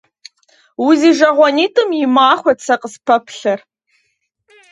УзижагъуэнитӀым и махуэт сэ къыспэплъэр.